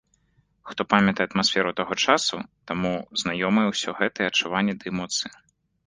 Хто памятае атмасферу таго часу, таму знаёмыя ўсе гэтыя адчуванні ды эмоцыі.